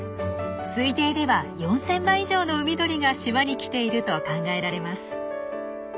推定では４，０００羽以上の海鳥が島に来ていると考えられます。